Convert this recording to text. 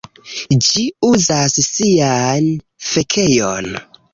ĝi uzas sian fekejon.